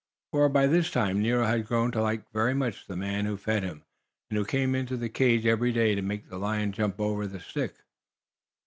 For, by this time, Nero had grown to like very much the man who fed him, and who came into the cage every day to make the lion jump over the stick.